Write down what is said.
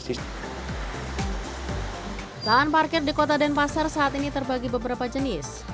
jalan parkir di kota denpasar saat ini terbagi beberapa jenis